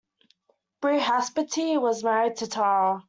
Brihaspati was married to Tara.